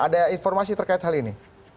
ada informasi terkait hal ini